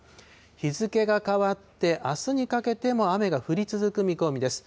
日付が変わってあすにかけても雨が降り続く見込みです。